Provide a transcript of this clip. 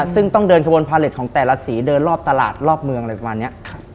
ซึ่งต้องเดินขบวนพาเล็ตของแต่ละสีเดินรอบตลาดรอบเมืองอะไรประมาณนี้